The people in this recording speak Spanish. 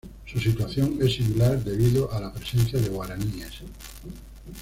Su situación es similar debido a la presencia de Guaraníes.